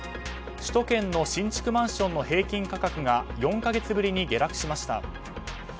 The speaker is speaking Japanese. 首都圏の新築マンションの平均価格が４か月ぶりに下落しました。